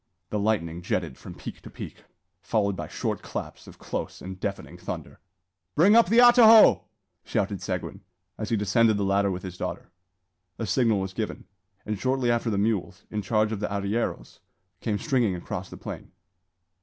The lightning jetted from peak to peak, followed by short claps of close and deafening thunder. "Bring up the atajo!" shouted Seguin, as he descended the ladder with his daughter. A signal was given; and shortly after the mules, in charge of the arrieros, came stringing across the plain.